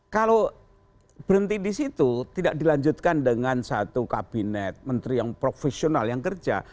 kalau berhenti di situ tidak dilanjutkan dengan satu kabinet menteri yang profesional yang kerja